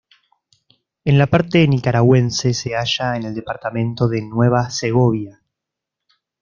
En la parte nicaragüense se halla en el departamento de Nueva Segovia.